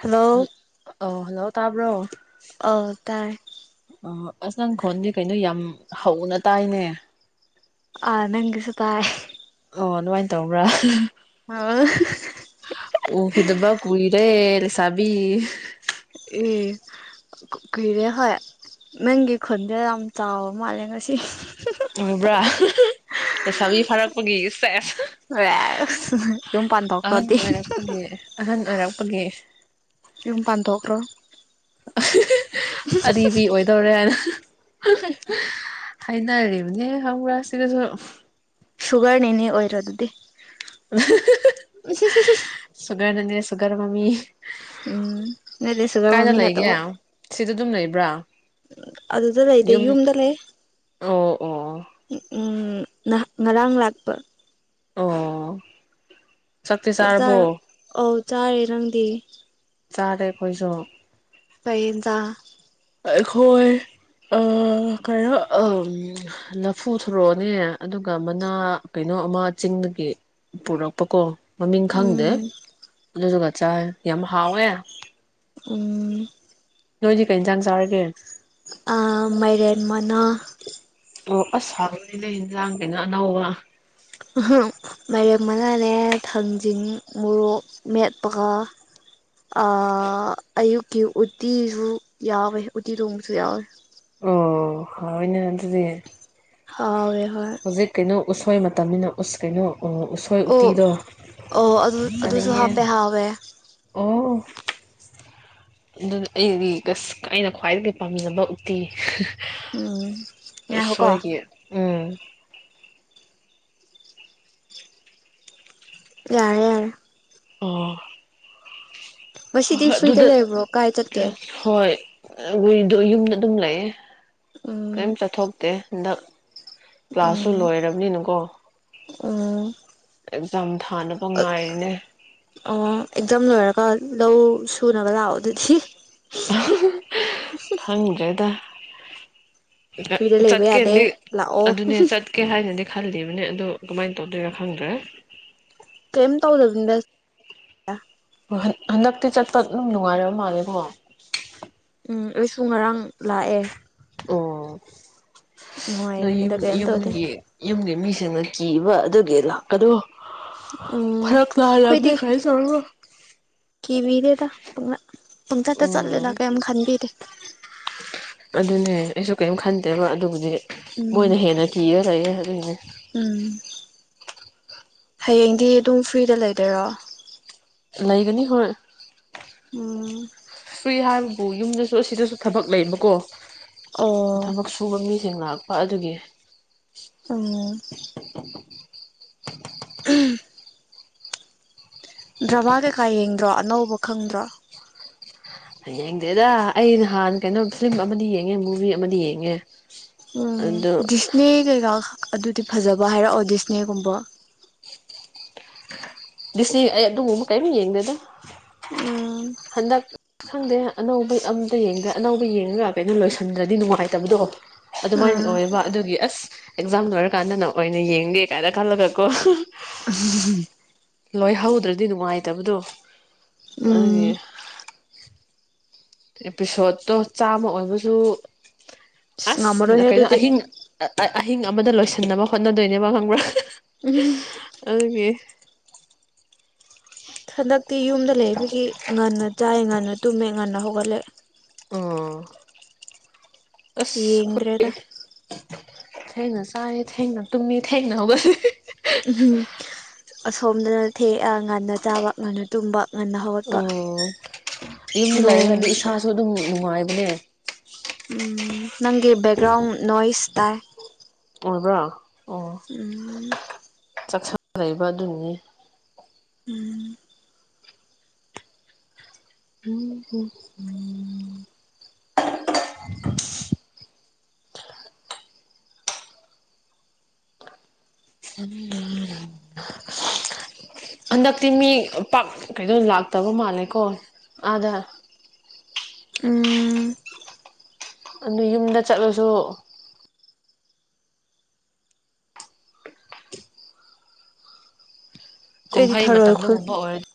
Hello ꯑꯣ hello ꯇꯥꯕ꯭ꯔꯣ ꯑꯣ ꯇꯥꯏ ꯑꯣ ꯑꯁ ꯅꯪꯈꯣꯟꯗꯤ ꯀꯩꯅꯣ ꯌꯥꯝ ꯍꯧꯅ ꯇꯥꯏꯅꯦ ꯑ ꯅꯪꯒꯤꯁꯨ ꯇꯥꯏ ꯑꯣ ꯑꯗꯨꯃꯥꯏꯅ ꯇꯧꯕ꯭ꯔꯥ ꯑꯥꯎ ꯎꯈꯤꯗꯕ ꯀꯨꯏꯔꯦ ꯂꯩꯁꯥꯕꯤ [unintelligible] ꯀꯨꯏꯔꯦ ꯍꯣꯏ ꯅꯪꯒꯤ ꯈꯣꯟꯖꯦ ꯌꯥꯝ ꯆꯥꯎꯕ ꯃꯥꯜꯂꯦ ꯉꯁꯤ ꯇꯧꯕ꯭ꯔꯥ ꯂꯩꯁꯥꯕꯤ ꯐꯥꯔꯛꯄꯒꯤ ꯁꯦꯁ ꯑꯦ ꯌꯨꯝ ꯄꯥꯟꯊꯣꯛꯈ꯭ꯔꯣ ꯗꯤ ꯑꯦ ꯑꯍꯟ ꯑꯣꯏꯔꯛꯄꯒꯤ ꯌꯨꯝ ꯄꯥꯟꯊꯣꯛꯈ꯭ꯔꯣ ꯑꯔꯤꯕꯤ ꯑꯣꯏꯗꯧꯔꯦ ꯍꯥꯏꯅ ꯍꯥꯏꯅꯔꯤꯕꯅꯦ ꯈꯪꯕꯔ ꯁꯤꯗꯁꯨꯨ ꯁꯨꯒꯔꯅꯤꯅꯦ ꯑꯣꯏꯔ ꯗꯨꯗꯤ ꯁꯨꯒꯔ ꯅꯦꯅꯦ ꯁꯨꯒꯔ ꯃꯃꯤ ꯎꯝ ꯅꯦꯅꯦ ꯁꯨꯒꯔ ꯀꯥꯏꯗ ꯃꯃꯤ ꯂꯩꯒꯦ ꯅꯠꯇꯕꯣꯏ ꯁꯤꯗ ꯑꯗꯨꯝ ꯂꯩꯕ꯭ꯔꯥ ꯑꯗꯨꯗ ꯂꯩꯗꯦ ꯌꯨꯝ ꯌꯨꯝꯗ ꯂꯩ ꯑꯣ ꯑꯣ ꯑꯝ ꯅꯍꯥꯟ ꯉꯔꯥꯡ ꯂꯥꯛꯄ ꯑꯣ ꯆꯥꯛꯇꯤ ꯆꯥꯛ ꯆꯥꯔꯕꯣ ꯆꯥꯔꯣ ꯑꯧ ꯆꯥꯔꯦ ꯅꯪꯗꯤ ꯆꯥꯔꯦ ꯑꯩꯈꯣꯏꯁꯨ ꯀꯩ ꯏꯟꯖꯥꯡ ꯑꯩꯈꯣꯏ ꯑ ꯀꯩꯅꯣ ꯂꯐꯨ ꯊꯔꯣꯅꯦ ꯑꯗꯨꯒ ꯃꯅꯥ ꯀꯩꯅꯣ ꯑꯃ ꯆꯤꯡꯗꯒꯤ ꯄꯨꯔꯛꯄꯀꯣ ꯃꯃꯤꯡ ꯈꯪꯗꯦ ꯎꯝ ꯑꯗꯨꯗꯨꯒ ꯆꯥꯏ ꯌꯥꯝ ꯍꯥꯎꯋꯦ ꯎꯝ ꯅꯣꯏꯗꯤ ꯀꯩ ꯏꯟꯖꯥꯡ ꯆꯥꯔꯒꯦ ꯑ ꯃꯥꯏꯔꯦꯟ ꯃꯅꯥ ꯑꯣ ꯑꯁ ꯍꯧꯕꯅꯤꯅꯦ ꯌꯦꯟꯖꯥꯡꯒꯤꯅ ꯑꯅꯧꯕ ꯃꯥꯏꯔꯦꯝ ꯃꯅꯥꯅꯦ ꯊꯥꯡꯖꯤꯡ ꯃꯣꯔꯣꯛ ꯃꯦꯠꯄꯒ ꯑ ꯑꯌꯨꯛꯀꯤ ꯎꯇꯤꯁꯨ ꯌꯥꯎꯋꯦ ꯎꯇꯤ ꯊꯣꯡꯕꯁꯨ ꯌꯥꯎꯋꯦ ꯑꯣ ꯍꯥꯎꯋꯦꯅ ꯑꯗꯨꯗꯤ ꯍꯥꯎꯋꯦ ꯍꯣꯏ ꯍꯧꯖꯤꯛ ꯀꯩꯅꯣ ꯎꯁꯣꯏ ꯃꯇꯝꯅꯤꯅ ꯎꯁ ꯀꯩꯅꯣ ꯑꯣ ꯎꯇꯤꯗꯣ ꯑꯣ ꯑꯗꯨ ꯑꯗꯨꯁꯨ ꯆꯥꯅꯤꯡꯉꯦ ꯍꯥꯞꯄꯦ ꯍꯥꯎꯋꯦ ꯑꯣ ꯑꯗꯨ [unintelligible] ꯑꯩꯒꯤ ꯑꯩꯅ ꯈ꯭ꯋꯥꯏꯗꯒꯤ ꯄꯥꯝꯖꯕ ꯇꯦ ꯎꯝ꯫ ꯉꯥꯏꯈꯣꯀꯣ ꯎꯁꫭꯏꯒꯤ ꯎꯝ ꯌꯥꯔꯦ ꯌꯥꯔꯦ ꯑꯣ ꯉꯁꯤꯗꯤ ꯐ꯭ꯔꯤꯗ ꯂꯩꯕ꯭ꯔꯣ ꯀꯥꯏ ꯆꯠꯀꯦ ꯍꫭꯏ ꯍꯨꯏꯗꯣ ꯌꯨꯝꯗ ꯑꯗꯨꯝ ꯂꯩꯥꯌꯦ ꯀꯩꯝ ꯎꯝ ꯆꯠꯊꯣꯛꯇꯦ ꯍꯟꯗꯛ ꯀ꯭ꯂꯥꯁꯁꯨ ꯎꯝ ꯂꯣꯏꯔ ꯅꯤꯅꯀꯣ ꯎꯝ ꯑꯦꯛꯖꯥꯝ ꯊꯥꯅꯕ ꯉꯥꯏꯔꯤꯅꯦ ꯑꯣ ꯑꯦꯛꯖꯥꯝ ꯂꯣꯏꯔꯒ ꯂꯧ ꯁꯨꯅꯕ ꯂꯥꯛꯑꯣ ꯑꯗꯨꯗꯤ ꯈꯪꯗ꯭ꯔꯦꯗ ꯐ꯭ꯔꯤꯗ ꯂꯩꯕ ꯌꯥꯗꯦ ꯆꯠꯀꯦꯅꯗꯤ ꯂꯥꯛꯑꯣ ꯑꯗꯨꯅꯦ ꯆꯠ ꯀꯦ ꯍꯥꯏꯅꯗꯤ ꯈꯜꯂꯤꯕꯅꯦ ꯑꯗꯣ ꯀꯃꯥꯏꯅ ꯇꯧꯗꯣꯏꯔꯥ ꯈꯪꯗ꯭ꯔꯦ ꯀꯥꯝ ꯇꯧꯗꯕꯅꯤꯗ ꯍꯟ ꯍꯟꯗꯛꯇꯤ ꯆꯠꯄ ꯑꯗꯨꯝ ꯅꯨꯡꯉꯥꯏꯔꯕ ꯃꯥꯜꯂꯦꯀꯣ ꯎꯝ ꯑꯩꯁꯨ ꯉꯔꯥꯡ ꯂꯥꯛꯑꯦ ꯑꯣ ꯅꫭꯏ ꯌꯨꯝ ꯅꯨꯡꯉꯥꯏꯕꯅꯤꯗ ꯀꯩꯝ ꯇꯧꯗꯦ ꯌꯨꯝꯒꯤ ꯌꯨꯝꯒꯤ ꯃꯤꯁꯤꯡꯅ ꯀꯤꯕ ꯑꯗꯨꯒꯤ ꯂꯥꯛꯀꯗꫭ ꯎꯝ ꯐ꯭ꯔꯛ ꯇꯥꯔꯝꯅꯦ ꯑꯩꯈꯣꯏꯗꯤ ꯒꯥꯔꯤ ꯑꯆꯥꯎꯕ [unintelligible] ꯀꯤꯕꯤꯗ‌ꯦꯗ ꯄꯨꯡꯉꯥꯛ ꯄꯪꯆꯠꯇ ꯎꯝ ꯆꯠꯂꯦꯗ ꯀꯩꯝ ꯈꯟꯕꯤꯗ‌‌ꯦ ꯑꯗꯨꯅꯦ ꯑꯩꯁꯨ ꯀꯩꯝ ꯈꯟꯗꯦꯕ ꯑꯗꯨꯕꯨꯗꯤ ꯎꯝ ꯃꯣꯏꯅ ꯍꯦꯟꯅ ꯀꯤꯔ ꯂꯩꯔꯦ ꯑꯗꯨꯒꯤꯅꯦ ꯎꯝ ꯍꯌꯦꯡꯗꯤ ꯑꯗꯨꯝ ꯐ꯭ꯔꯤꯗ ꯂꯩꯗꫭꯏꯔꯣ ꯂꯩꯒꯅꯤ ꯍꯣꯏ ꯎꯝ꯫ ꯐ꯭ꯔꯤ ꯍꯥꯏꯕꯕꯨ ꯌꯨꯝꯗꯁꯨ ꯑꯁꯤꯗꯁꯨ ꯊꯕꯛ ꯂꯩꯕꯀꯣ ꯑꯣ ꯊꯕꯛ ꯁꯨꯕ ꯃꯤꯁꯤꯡ ꯂꯥꯛꯄ ꯑꯗꯨꯒꯤ ꯆꯨꯝꯃꯦ [inaudible] ꯗ꯭ꯔꯃꯥ ꯀꯩꯀꯥ ꯌꯦꯡꯗ꯭ꯔꯣ ꯑꯅꯧꯕ ꯈꯪꯗ꯭ꯔꯣ ꯌꯦꯡꯗꯦꯗ ꯑꯩ ꯅꯍꯥꯟ ꯀꯩꯅꯣ ꯐꯤꯂꯝ ꯑꯃꯗꯤ ꯌꯦꯡꯉꯦ ꯃꯨꯚꯤ ꯑꯃꯗꯤ ꯌꯦꯡꯉꯦ ꯎꯝ ꯑꯗꯨ ꯗꯤꯁꯅꯦ ꯀꯩꯀꯥ ꯑꯗꯨꯗꯤ ꯐꯖꯕ ꯍꯥꯏꯔꯛꯑꯣ ꯗꯤꯁꯅꯦꯒꯨꯝꯕ ꯗꯤꯁꯅꯦ ꯑꯩ ꯑꯗꯨꯒꯨꯝꯕ ꯀꯩꯝ ꯌꯦꯡꯗꯦꯗ ꯎꯝ꯫ ꯍꯟꯗꯛ ꯈꯪꯗꯦ ꯑꯅꯧꯕ ꯑꯝꯇ ꯌꯦꯡꯗ꯭ꯔꯦ ꯑꯅꯧꯕ ꯌꯦꯡꯉꯒ ꯀꯩꯅꯣ ꯂꯣꯏꯁꯤꯟꯗ꯭ꯔꯗꯤ ꯅꯨꯡꯉꯥꯏꯇꯕꯗꯣ ꯑꯗꯨꯃꯥꯏ ꯑꯣꯏꯌꯦꯕ ꯑꯗꯨꯒꯤ ꯑꯁ ꯑꯦꯛꯖꯥꯝ ꯂꯣꯏꯔꯀꯥꯟꯗꯅ ꯑꯣꯏꯅ ꯌꯦꯡꯒꯦ ꯀꯥꯏꯅ ꯈꯜꯂꯒ ꯀꯣ [inaudible] ꯂꯣꯏ ꯍꯧꯗ꯭ꯔꯗꯤ ꯅꯨꯡꯉꯥꯏꯇꯕꯗꯣ ꯎꯝ ꯑꯗꯨꯒꯤ ꯑꯦꯄꯤꯁꯣꯠꯇꯣ ꯆꯥꯝꯃ ꯑꯣꯏꯕꯁꯨ ꯉꯝꯃꯔꯣꯏꯍꯦ ꯑꯁ ꯀꯩꯅꯣ ꯑꯗꯨꯗꯤ ꯑꯍꯤꯡ ꯑꯍꯤꯡ ꯑꯃꯗ ꯂꯣꯏꯁꯤꯟꯅꯕ ꯍꯣꯠꯅꯗꯣꯏꯅꯦꯕ ꯈꯪꯕ꯭ꯔꯥ [inaudible] ꯑꯗꯨꯒꯤ ꯍꯟꯗꯛꯇꯤ ꯌꯨꯝꯗ ꯂꯩꯕꯒꯤ ꯉꯟꯅ ꯆꯥꯏ ꯉꯟꯅ ꯇꯨꯝꯃꯦ ꯉꯟꯅ ꯍꯧꯒꯠꯂꯦ꯫ ꯑꯣ ꯑꯁ ꯌꯦꯡꯗ꯭ꯔꯦꯗ ꯍꫭꯏ ꯊꯦꯅ ꯆꯥꯏ ꯊꯦꯡꯅ ꯇꯨꯝꯃ‌ꯤ ꯊꯦꯡꯅ ꯍꯧꯒꯠꯂꯤ ꯎꯝ ꯑꯁꯣꯝꯗꯅ ꯊꯦ ꯉꯟꯅ ꯆꯥꯕ ꯉꯟꯅ ꯇꯨꯝꯕ ꯉꯟꯅ ꯍꯧꯒꯠꯄ ꯎꯝ ꯌꯨꯝꯗ ꯂꯩꯔꯒꯗꯤ ꯅꯣꯡꯁꯨꯇꯥꯏ ꯏꯁꯥꯁꯨ ꯑꯗꯨꯝ ꯅꯨꯡꯉꯥꯏꯕꯅ‌ꯦ ꯅꯪꯒꯤ ꯕꯦꯛꯒ꯭ꯔꯥꯎꯟ ꯅꯣꯏꯁ ꯇꯥꯏ ꯑꯣꯏꯕ꯭ꯔꯥ ꯑꯣ ꯎꯝ ꯆꯥꯛꯁꯪꯗ ꯂꯩꯕ ꯑꯗꯨꯅꯅꯤ ꯎꯝ [unintelligible] [unintelligible] ꯍꯟꯗꯛꯇꯤ ꯃꯤ ꯄꯥꯛ ꯀꯩꯅꯣ ꯂꯥꯛꯇꯕ ꯃꯥꯜꯂꯦꯀꯣ ꯑꯥꯗ ꯎꯝ ꯑꯗꯨ ꯌꯨꯝꯗ ꯆꯠꯂꯁꯨ ꯑꯩꯗꯤ ꯀꯨꯝꯍꯩ ꯊꯔꯣꯏ ꯈꯨꯟ ꯃꯇꯝꯗꯒꯨꯝꯕ ꯑꯣꯏꯔꯗꯤ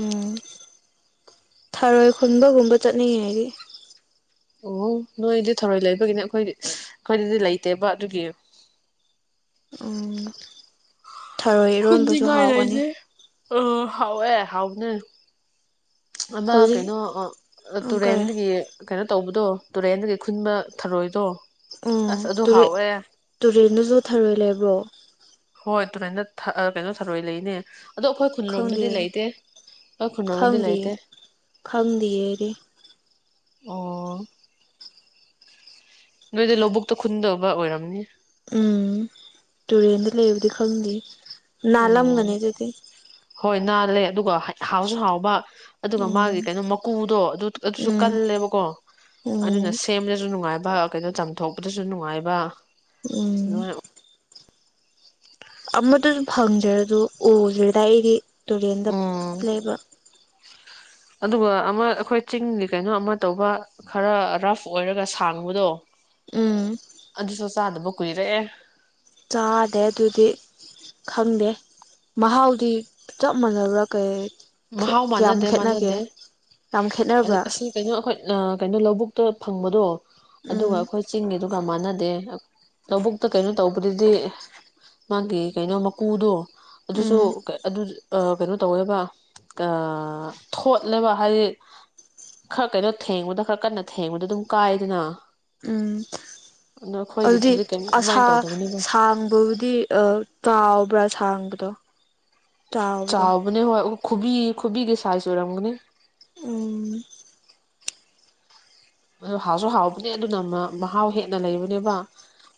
ꯎꯝ ꯊꯔꯣꯏ ꯈꯨꯟꯕꯒꯨꯝꯕ ‌ꯆꯠꯅꯤꯡꯉꯦ ꯑꯩꯗꯤ ꯑꯣ ꯅꯣꯏꯗꯤ ꯊꯧꯔꯣꯏ ꯂꯩꯕꯒꯤꯅꯦ ꯑꯩꯈꯣꯏꯗꯤ ꯑꯩꯈꯣꯏꯗꯗꯤ ꯂꯩꯇꯦꯕ ꯑꯗꯨꯒꯤ ꯎꯝ ꯊꯔꯣꯏ ꯏꯔꯣꯟꯕꯁꯨ ꯍꯥꯎꯕꯅꯤ ꯑꯥ ꯍꯥꯎꯋꯦ ꯍꯥꯎꯕꯅꯦ ꯑꯃ ꯍꯧꯖꯤꯛ ꯀꯩꯅꯣ ꯑꯥ ꯀꯩ ꯇꯨꯔꯦꯟꯗꯒꯤ ꯀꯩꯅꯣ ꯇꯧꯕꯗꯣ ꯇꯨꯔꯦꯟꯗꯒꯤ ꯈꯨꯟꯕ ꯊꯔꯣꯏꯗꯣ ꯑꯁ ꯑꯗꯨ ꯍꯥꯎꯋꯦ ꯇꯨꯔꯦꯟꯗꯖꯨ ꯊꯔꯣꯏ ꯂꯩꯕ꯭ꯔꯣ ꯍꯣꯏ ꯇꯨꯔꯦꯜꯗ ꯊꯥ ꯀꯩꯅꯣ ꯊꯔꯣꯏ ꯂꯩꯅꯦ ꯑꯗꯣ ꯑꯩꯈꯣꯏ ꯈꯪꯗꯦ ꯈꯨꯟꯂꯣꯝꯗꯗꯤ ꯂꯩꯇꯦ ꯑꯩꯈꯣꯏ ꯈꯨꯟꯂꯣꯝꯗꯗꯤ ꯈꯪꯗꯦ ꯂꯩꯇꯦ ꯈꯪꯗꯤꯌꯦ ꯑꯩꯗꯤ ꯑꯣ ꯅꯣꯏꯗꯤ ꯂꯧꯕꯨꯛꯇ ꯈꯨꯟꯗꯧꯕ ꯑꯣꯏꯔꯝꯅꯤ ꯎꯝ ꯇꯨꯔꯦꯟꯗ ꯂꯩꯕꯗꯤ ꯈꯪꯗꯦ ꯑꯣ ꯅꯥꯜꯂꯝꯒꯅꯤ ꯑꯗꯨꯗꯤ ꯍꯣꯏ ꯅꯥꯜꯂꯦ ꯑꯗꯨꯒ ꯍꯥꯎꯁꯨ ꯍꯥꯎꯕ ꯑꯗꯨꯒ ꯎꯝ ꯃꯥꯒꯤ ꯀꯩꯅꯣ ꯃꯀꯨ ꯃꯀꯨꯗꯣ ꯑꯗꯨ ꯑꯗꯨꯁꯨ ꯎꯝ ꯀꯜꯂꯦꯕꯀꯣ ꯑꯗꯨꯅ ꯎꯝ ꯁꯦꯝꯕꯗꯁꯨ ꯅꯨꯡꯉꯥꯏꯕ ꯀꯩꯅꯣ ꯆꯥꯝꯊꯣꯛꯄꯗꯁꯨ ꯅꯨꯡꯉꯥꯏꯕ ꯎꯝ ꯑꯗꯨꯃꯥꯏꯅ ꯑꯃꯠꯇꯁꯨ ꯐꯪꯗ꯭ꯔꯦ ꯑꯗꯨ ꯎꯗ꯭ꯔꯤꯗ ꯑꯩꯗꯤ ꯇꯨꯔꯦꯟꯗ ꯎꯝ ꯂꯩꯕ ꯑꯗꯨꯒ ꯑꯃ ꯑꯩꯈꯣꯏ ꯆꯤꯡꯒꯤ ꯀꯩꯅꯣ ꯑꯃ ꯇꯧꯕ ꯈꯔ ꯔꯐ ꯑꯣꯏꯔꯒ ꯁꯥꯡꯕꯗꯣ ꯎꯝ ꯑꯗꯨꯁꯨ ꯆꯥꯗꯕ ꯀꯨꯏꯔꯦ ꯆꯥꯗꯦ ꯑꯗꯨꯗꯤ ꯈꯪꯗꯦ ꯃꯍꯥꯎꯗꯤ ꯆꯞ ꯃꯥꯟꯅꯕ꯭ꯔꯥ ꯀꯩ ꯃꯍꯥꯎ ꯀꯌꯥꯝ ꯃꯥꯟꯅꯗꯦ ꯈꯦꯠꯅꯒꯦ ꯃꯥꯟꯅꯗꯦ ꯌꯥꯝ ꯈꯦꯠꯅꯕ꯭ꯔꯥ ꯑꯁꯤ ꯀꯩꯅꯣ ꯑꯩꯈꯣꯏ ꯀꯩꯅꯣ ꯂꯧꯕꯨꯛꯇ ꯐꯪꯕꯗꯣ ꯎꯝ ꯑꯗꯨꯒ ꯑꯩꯈꯣꯏ ꯆꯤꯡꯒꯤꯗꯨꯒ ꯃꯥꯟꯅꯗꯦ ꯂꯧꯕꯨꯛꯇ ꯀꯩꯅꯣ ꯇꯧꯕꯗꯨꯗꯤ ꯃꯥꯒꯤ ꯀꯩꯅꯣ ꯃꯀꯨꯗꯣ ꯑꯗꯨꯁꯨ ꯎꯝ ꯑꯗꯨ ꯑꯥ ꯀꯩꯅꯣ ꯇꯧꯋꯦꯕ ꯑꯥ ꯊꯣꯠꯂꯦꯕ ꯍꯥꯏꯗꯤ ꯈꯔ ꯀꯩꯅꯣ ꯊꯦꯡꯕꯗ ꯈꯔ ꯀꯟꯅ ꯊꯦꯡꯕꯗ ꯑꯗꯨꯝ ꯀꯥꯏꯗꯅ ꯎꯝ ꯑꯗꯣ ꯑꯗꯨꯗꯤ ꯑꯩꯈꯣꯏꯒꯤꯗꯨꯗꯤ ꯀꯩꯅꯣ ꯑꯗꯨꯃꯥꯏꯅ ꯑꯁꯥ ꯇꯧꯗꯕꯅꯦꯕ ꯁꯥꯡꯕꯕꯨꯗꯤ ꯑꯥ ꯇꯥꯎꯕ꯭ꯔꯥ ꯁꯥꯡꯕꯗꯣ꯫ ꯆꯥꯎꯕꯗꯣ ꯆꯥꯎꯕꯅꯦ ꯍꯣꯏ ꯈꯨꯕꯤ ꯈꯨꯕꯤꯒꯤ ꯁꯥꯏꯁ ꯑꯣꯏꯔꯝꯒꯅꯤ꯫ ꯎꯝ꯫ ꯑꯗꯣ ꯍꯥꯎꯁꯨ ꯍꯥꯎꯕꯅꯦ ꯑꯗꯨꯅ ꯃꯍꯥꯎ ꯍꯦꯟꯅ ꯂꯩꯕꯅꯦꯕ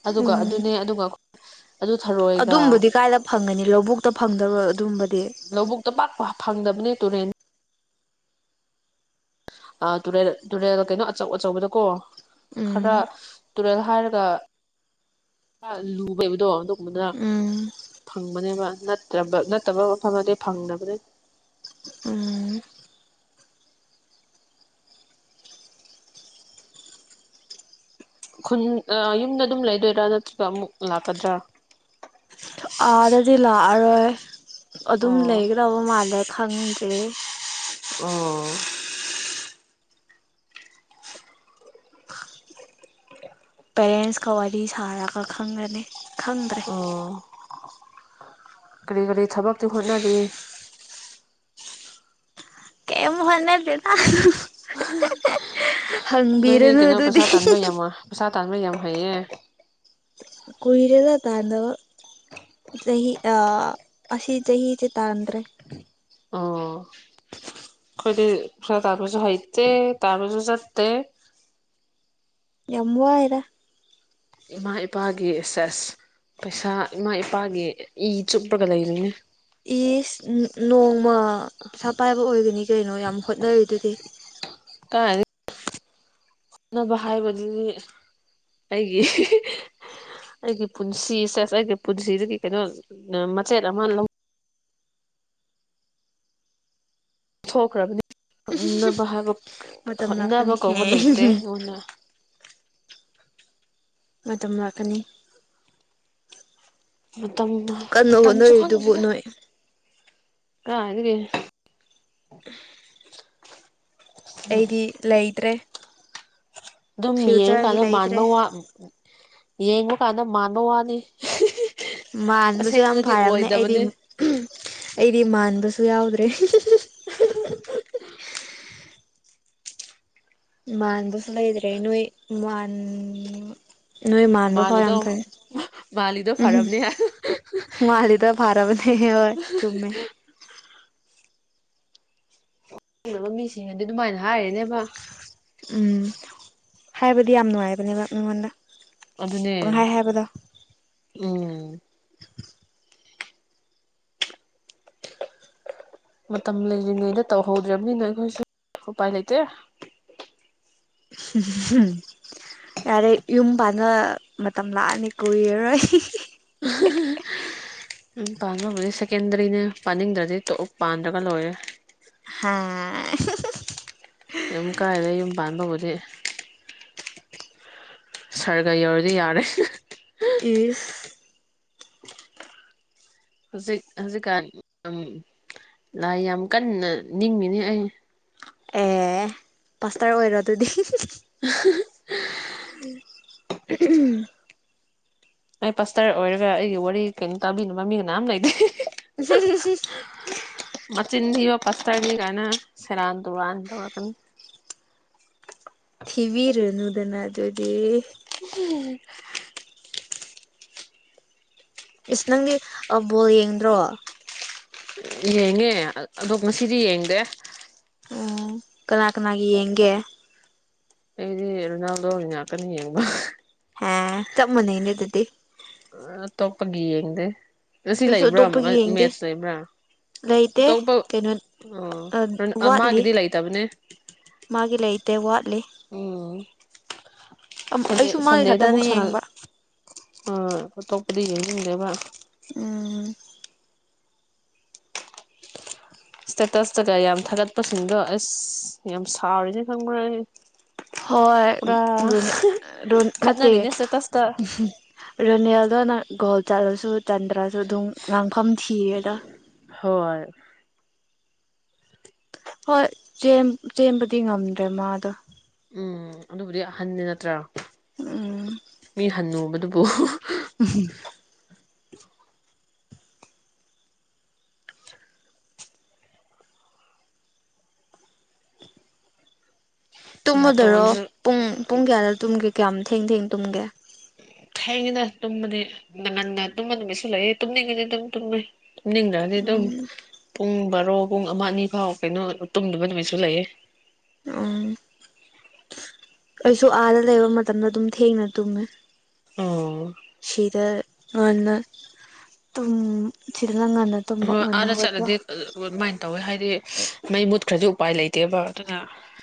ꯑꯗꯨꯒ ꯎꯝ ꯑꯗꯨꯅꯦ ꯑꯗꯨꯒ [unintelligible] ꯑꯗꯨ ꯊꯥꯔꯛꯑꯣ꯫ ꯑꯗꯨꯝꯕꯗꯤ ꯀꯥꯏꯗ ꯐꯪꯒꯅꯤ ꯂꯧꯕꯨꯛꯇ ꯐꯪꯗꯕ ꯑꯗꯨꯝꯕꯗꯤ? ꯂꯧꯕꯨꯛꯇ ꯄꯥꯛ-ꯄꯥꯛ ꯐꯪꯗꯕꯅꯦ ꯇꯨꯔꯦꯜ ꯇꯨꯔꯦꯜ - ꯇꯨꯔꯦꯜ ꯀꯩꯅꯣ ꯑꯆꯧ- ꯑꯆꯧꯕꯗꯀꯣ ꯎꯝ ꯈꯔ ꯇꯨꯔꯦꯜ ꯍꯥꯏꯔꯒ ꯈꯔ ꯂꯨꯕꯗꯣ ꯑꯗꯨꯒꯨꯝꯕꯗ ꯎꯝ ꯐꯪꯕꯅꯦꯕ ꯅꯠꯇ꯭ꯔꯕ ꯅꯠꯇꯕ ꯃꯐꯝꯗꯗꯤ ꯐꯪꯗꯕꯅꯦ꯫ ꯎꯝ꯫ ꯈꯨꯟ ꯑ ꯌꯨꯝꯗ ꯑꯗꯨꯝ ꯂꯩꯗꯣꯏꯔꯥ ꯅꯠꯇ꯭ꯔꯒ ꯑꯃꯨꯛ ꯂꯥꯛꯀꯗ꯭ꯔꯥ? ꯑꯥꯗꯗꯤ ꯂꯥꯛꯑꯔꯣꯏ ꯑꯗꯨꯝ ꯑꯣ ꯂꯩꯒꯗꯕ ꯃꯥꯜꯂꯦ ꯈꯪꯗ꯭ꯔꯤ꯫ ꯑꯣ꯫ ꯄꯦꯔꯦꯟꯁꯀ ꯋꯥꯔꯤ ꯁꯥꯔꯒ ꯈꯪꯒꯅꯤ ꯈꯪꯗ꯭ꯔꯦ꯫ ꯑꯣ ꯀꯔꯤ - ꯀꯔꯤ ꯊꯕꯛꯇꯤ ꯍꯣꯠꯅꯔꯤ? ꯀꯩꯌꯝ ꯍꯣꯠꯅꯗꯦꯗ꯫ ꯅꯣꯏꯗꯤ ꯍꯪꯕꯤꯔꯅꯨ ꯀꯩꯅꯣ ꯑꯗꯨꯗꯤ꯫ ꯄꯩꯁꯥ ꯇꯥꯟꯕ ꯌꯥꯝ ꯄꯩꯁꯥ ꯇꯥꯟꯕ ꯌꯥꯝ ꯍꯩꯌꯦ꯫ ꯀꯨꯏꯔꯦꯗ ꯇꯥꯟꯗꯕ꯫ ꯆꯍꯤ ꯑ ꯑꯁꯤ ꯆꯍꯤꯁꯦ ꯇꯥꯟꯗ꯭ꯔꯦ꯫ ꯑꯣ ꯑꯩꯈꯣꯏꯗꯤ ꯄꯩꯁꯥ ꯇꯥꯟꯕꯁꯨ ꯍꯩꯇꯦ ꯇꯥꯟꯕꯁꯨ ꯆꯠꯇꯦ꯫ ꯌꯥꯝ ꯋꯥꯏꯗ꯫ ꯏꯃꯥ - ꯏꯄꯥꯒꯤ ꯁꯦꯁ ꯄꯩꯁꯥ ꯏꯃꯥ - ꯏꯄꯥꯒꯤ ꯏ ꯆꯨꯞꯄꯒ ꯂꯩꯔꯤꯅꯦ꯫ ꯏꯁ ꯅꯣꯡꯃ ꯄꯩꯁꯥ ꯄꯥꯏꯕ ꯑꯣꯏꯒꯅꯤ ꯀꯩꯅꯣ ꯌꯥꯝ ꯍꯣꯠꯅꯔꯤꯗꯨꯗꯤ꯫ ꯀꯥꯏꯗꯩ ꯍꯣꯠꯅꯕ ꯍꯥꯏꯕꯗꯨꯗꯤ ꯑꯩꯒꯤ ꯑꯩꯒꯤ ꯄꯨꯟꯁꯤ ꯁꯦꯁ ꯑꯩꯒꯤ ꯄꯨꯟꯁꯤꯒꯤ ꯀꯩꯅꯣ ꯃꯆꯦꯠ ꯑꯃ ꯂꯧ ꯊꯣꯛꯈ꯭ꯔꯕꯅꯤ ꯍꯣꯅꯕ ꯍꯥꯏꯕ ꯃꯇꯝ ꯂꯥꯛꯀꯅꯤ ꯍꯣꯠꯅꯕ ꯍꯦ ꯀꯧꯕ ꯂꯩꯇꯦ ꯑꯩꯉꯣꯟꯗ꯫ ꯃꯇꯝ ꯂꯥꯛꯀꯅꯤ ꯃꯇꯝ ꯑꯃ ꯀꯟꯅ ꯍꯣꯠꯅꯔꯤꯗꯨꯕꯨ ꯅꯣꯏ꯫ ꯀꯥꯏꯗꯒꯤ ꯑꯩꯗꯤ ꯂꯩꯇ꯭ꯔꯦ ꯑꯗꯨꯝ ꯐ꯭ꯌꯨꯆꯔꯒꯤ ꯌꯦꯡꯕꯀꯥꯟꯗ ꯃꯥꯟꯕ ꯂꯩꯇ꯭ꯔꯦ ꯋꯥ ꯌꯦꯡꯕ ꯀꯥꯟꯗ ꯃꯥꯟꯕ ꯋꯥꯅꯤ꯫ ꯃꯥꯟꯕꯁꯨ ꯌꯥꯝ ꯑꯁꯦꯡꯕꯗꯗꯤ ꯐꯔꯕꯅꯦ ꯑꯩꯗꯤ ꯑꯣꯏꯗꯕꯅꯤ ꯑꯩꯗꯤ ꯃꯥꯟꯕꯁꯨ ꯌꯥꯎꯗ꯭ꯔꯦ꯫ ꯃꯥꯟꯕꯁꯨ ꯂꯩꯇ꯭ꯔꯦ ꯅꯣꯏ ꯃꯥꯟ ꯅꯣꯏ ꯃꯥꯟꯕ ꯐꯥꯎ ꯌꯥꯝ ꯃꯥꯜꯂꯤꯗꯣ ꯐꯩ ꯃꯥꯜꯂꯤꯗꯣ ꯎꯝ꯫ ꯐꯔꯕꯅꯦ ꯃꯥꯂꯤꯗꯣ ꯐꯥꯔꯕꯅꯦ ꯍꯣꯏ ꯆꯨꯝꯃꯦ꯫ ꯈꯪꯗꯕ ꯃꯤꯁꯤꯡꯅꯗꯤ ꯑꯗꯨꯃꯥꯏꯅ ꯍꯥꯏꯔꯤꯅꯦꯕ ꯎꯝ ꯍꯥꯏꯕꯗꯤ ꯌꯥꯝ ꯅꯨꯡꯉꯥꯏꯕꯅꯦꯕ ꯃꯤꯉꯣꯟꯗ ꯑꯗꯨꯅꯦ ꯄꯪꯍꯥꯏ ꯍꯥꯏꯕꯗꯣ ꯎꯝ ꯃꯇꯝ ꯂꯩꯔꯤꯉꯩꯗ ꯇꯧꯍꯧꯗ꯭ꯔꯕꯅꯤꯅ ꯑꯩꯈꯣꯏꯁꯨ ꯎꯄꯥꯏ ꯂꯩꯇꯦ [unintelligible] ꯌꯥꯔꯦ ꯌꯨꯝ ꯄꯥꯟꯅ ꯃꯇꯝ ꯂꯥꯛꯑꯅꯤ ꯀꯨꯏꯔꯔꯣꯏ [unintelligible] ꯎꯝ ꯄꯥꯟꯕꯕꯨꯗꯤ ꯁꯦꯀꯦꯟꯗ꯭ꯔꯤꯅ ꯄꯥꯟꯅꯤꯡꯗ꯭ꯔꯗꯤ ꯇꯣꯛꯎ ꯄꯥꯟꯗ꯭ꯔꯒ ꯂꯣꯏꯔꯦ ꯍꯥꯥ ꯌꯨꯝ ꯀꯥꯏꯗꯩ ꯌꯨꯝ ꯄꯥꯟꯕꯕꯨꯗꯤ ꯁꯥꯔꯒ ꯌꯧꯔꯗꯤ ꯌꯥꯔꯦ ꯏꯁ ꯍꯧꯖꯤꯛ ꯍꯧꯖꯤꯛꯀꯥꯟ ꯑꯝ ꯂꯥꯏ ꯌꯥꯝ ꯀꯟꯅ ꯅꯤꯡꯉꯤꯅꯤ ꯑꯩ ꯑꯦ ꯄꯥꯁꯇꯔ ꯑꯣꯏꯔꯣ ꯑꯗꯨꯗꯤ [unintelligible] [unintelligible] ꯑꯩ ꯄꯥꯁꯇꯔ ꯑꯣꯏꯔꯒ ꯑꯩꯒꯤ ꯋꯥꯔꯤ ꯀꯩꯟ ꯇꯥꯕꯤꯅꯕ ꯃꯤ ꯀꯅꯥꯝ ꯂꯩꯇꯦ [unintelligible] ꯃꯆꯤꯟ ꯊꯤꯕ ꯄꯥꯁꯇꯔꯅꯤ ꯒꯥꯏꯟꯅ ꯁꯦꯔꯥꯟ ꯇꯨꯔꯥꯟ ꯇꯧꯔꯛꯀꯅꯤ ꯊꯤꯚꯤꯔꯨꯅꯨꯗꯅ ꯑꯗꯨꯗꯤ [unintelligible] ꯏꯁ ꯅꯪꯗꯤ ꯑ ꯕꯣꯜ ꯌꯦꯡꯗ꯭ꯔꯣ ꯌꯦꯡꯉꯦ ꯑꯠ ꯑꯗꯣ ꯉꯁꯤꯗꯤ ꯌꯦꯡꯗꯦ ꯎꯝ ꯀꯅꯥ ꯀꯅꯥꯒꯤ ꯌꯦꯡꯒꯦ ꯑꯩꯗꯤ ꯔꯣꯅꯥꯜꯗꯣꯒꯤ ꯉꯥꯛꯇꯅꯤ ꯌꯦꯡꯕ ꯍꯦ ꯆꯞ ꯃꯅꯩꯅꯦ ꯗꯨꯗꯤ ꯑ ꯑꯇꯣꯞꯄꯒꯤ ꯌꯦꯡꯗꯦ ꯉꯁꯤ ꯑꯩꯁꯨ ꯂꯩꯕ꯭ꯔꯥ ꯑꯇꯣꯞꯄꯒꯤ ꯃꯠ ꯌꯦꯡꯗꯦ ꯃꯦꯠꯁ ꯂꯩꯕ꯭ꯔꯥ ꯂꯩꯇꯦ ꯇꯧꯛꯄ ꯀꯩꯅꯣ ꯉ ꯄ꯭ꯔꯟ ꯑꯥ ꯋꯥꯠꯂꯤ ꯃꯥꯒꯤꯗꯤ ꯂꯩꯇꯕꯅꯦ ꯃꯥꯒꯤ ꯂꯩꯇꯦ ꯋꯥꯠꯂꯤ ꯎꯝ ꯁꯟꯗꯦ ꯑꯩꯁꯨ ꯃꯥꯒꯤ ꯁꯟꯗꯦꯗ ꯈꯛꯇꯅ ꯑꯃꯨꯛ ꯁꯥꯟꯅ ꯌꯦꯡꯕ ꯑ ꯑꯇꯣꯞꯄꯗꯤ ꯌꯦꯡꯅꯤꯡꯗꯦꯕ ꯎꯝ ꯏꯁꯇꯦꯇꯁꯇꯀ ꯌꯥꯝ ꯊꯥꯒꯠꯄꯁꯤꯡꯗꯣ ꯑꯁ ꯌꯥꯝ ꯁꯥꯎꯔꯤꯅꯦ ꯈꯪꯕ꯭ꯔꯥ ꯑꯩ ꯍꯣꯏ ꯎꯝ ꯄꯨꯔꯥ ꯔꯣꯅꯦ ꯔꯣꯟ ꯅꯠꯇꯦ ꯈꯠꯅꯔꯤꯅꯦ ꯏꯁꯇꯦꯇꯁꯇ ꯔꯣꯅꯦꯜꯗꯣꯅ ꯒꯣꯜ ꯆꯜꯂꯁꯨ ꯆꯟꯗ꯭ꯔꯁꯨ ꯗꯨꯝ ꯉꯥꯡꯐꯝ ꯊꯤꯌꯦꯗ ꯍꯣꯏ ꯍꯣꯏ ꯆꯦꯝ-ꯆꯦꯝꯕꯗꯤ ꯉꯝꯗ꯭ꯔꯦ ꯃꯥꯗꯣ ꯎꯝ ꯑꯗꯨꯕꯨꯗꯤ ꯍꯟꯗꯦ ꯅꯠꯇ꯭ꯔꯥ ꯎꯝ ꯃꯤ ꯍꯟꯅꯨꯕꯗꯨꯕꯨ [unintelligible] ꯇꯨꯝꯃꯗꯣꯏꯔꯣ ꯅꯥꯇꯣꯟꯁꯨ ꯄꯨꯡ ꯄꯨꯡ ꯀꯌꯥꯗ ꯇꯨꯝꯒꯦ ꯀ꯭ꯌꯥꯝ ꯊꯦꯡ ꯊꯦꯡ ꯇꯨꯝꯒꯦ ꯊꯦꯡꯉꯦꯗ ꯇꯨꯝꯕꯗꯤ ꯅ ꯉꯟꯅ ꯇꯨꯝꯕ ꯅꯨꯃꯤꯠꯁꯨ ꯂꯩꯌꯦ ꯇꯨꯝꯅꯤꯡꯉꯗꯤ ꯑꯗꯨꯝ ꯇꯨꯝꯃꯦ ꯇꯨꯝꯅꯤꯡꯗ꯭ꯔ ꯗꯤ ꯗꯨꯝ ꯄꯨꯡ ꯕꯥꯔꯣ ꯄꯨꯡ ꯑꯃ ꯑꯅꯤꯐꯥꯎ ꯀꯩꯅꯣ ꯇꯨꯝꯗꯕ ꯅꯨꯃꯤꯠꯁꯨ ꯂꯩꯌꯦ ꯎꯝ ꯑꯩꯁꯨ ꯑꯥꯗ ꯂꯩꯕ ꯃꯇꯝꯗ ꯑꯗꯨꯝ ꯊꯦꯡꯅ ꯇꯨꯝꯃꯦ ꯑꯣ ꯁꯤꯗ ꯉꯟꯅ ꯇꯨꯝ ꯁꯤꯗꯅ ꯉꯟꯅ ꯇꯨꯝꯕ ꯍꯣꯏ ꯉꯟꯅ ꯑꯥꯗ ꯍꯧꯒꯠꯄ ꯆꯠꯂꯗꯤ ꯑ ꯋ ꯃꯥꯏꯟ ꯇꯧꯋꯦ ꯍꯥꯏꯗꯤ ꯃꯩ ꯃꯨꯠꯈ꯭ꯔꯗꯤ ꯎꯄꯥꯏ ꯂꯩꯇꯦꯕ ꯗꯨꯅ